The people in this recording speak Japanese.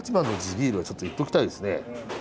ビールはちょっといっときたいですね。